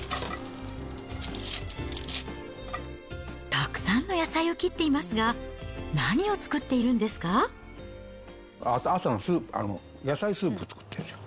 たくさんの野菜を切っていますが、朝のスープ、野菜スープ作ってるんですよ。